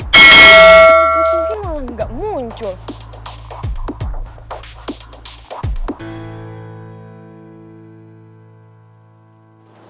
gue butuhin malah gak muncul